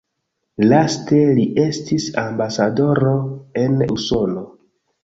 Laste li estis ambasadoro en Usono.